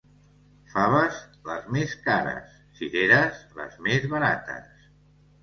Faves, les més cares; cireres, les més barates.